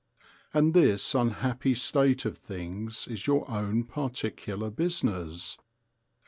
And this unhappy state of things is your own particular business.